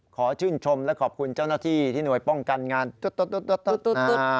ขอชื่นชมและขอบคุณเจ้าหน้าที่ที่หน่วยป้องกันงานตุ๊ด